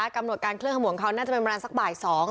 กำหนดการเคลื่อขบวนเขาน่าจะเป็นประมาณสักบ่าย๒